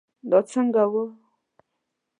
دا څنګه وه